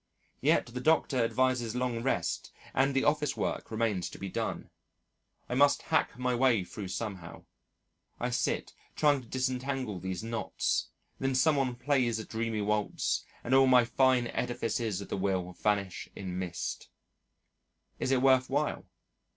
Yet the doctor advises long rest and the office work remains to be done. I must hack my way through somehow. I sit trying to disentangle these knots; then some one plays a dreamy waltz and all my fine edifices of the will vanish in mist. Is it worth while?